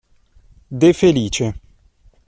De Felice